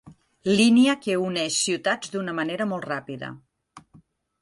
Línia que uneix ciutats d'una manera molt ràpida.